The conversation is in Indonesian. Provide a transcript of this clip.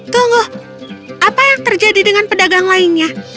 tunggu apa yang terjadi dengan pedagang lainnya